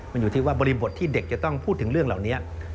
มันอยู่ที่ว่าบริบทที่เด็กจะต้องพูดถึงเรื่องเหล่านี้